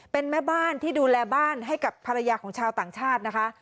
เป็นแม่บ้านที่ดูแลบ้านให้กับภรรยาของชาวต่างชาตินะคะ